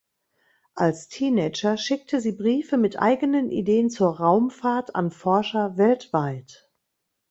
Als Teenager schickte sie Briefe mit eigenen Ideen zur Raumfahrt an Forscher weltweit.